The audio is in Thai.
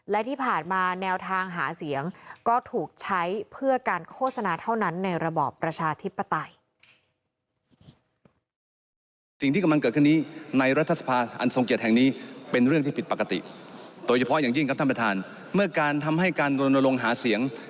และที่ผ่านมาแนวทางหาเสียงก็ถูกใช้เพื่อการโฆษณาเท่านั้นในระบอบประชาธิปไตย